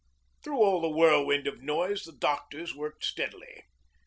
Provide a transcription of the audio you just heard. Through all the whirlwind of noise the doctors worked steadily.